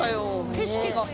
景色がさ。